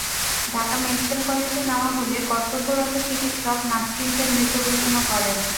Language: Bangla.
ঢাকা মেডিকেল কলেজে নেওয়া হলে কর্তব্যরত চিকিত্সক নাসরিনকে মৃত ঘোষণা করেন।